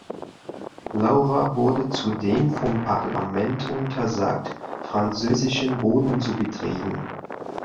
Laura wurde zudem vom Parlement untersagt, französischen Boden zu betreten.